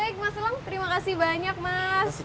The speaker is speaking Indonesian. baik mas elang terima kasih banyak mas